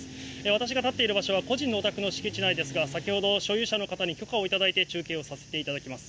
私が立っている場所は、個人のお宅の敷地内ですが、先ほど所有者の方に許可を頂いて、中継をさせていただきます。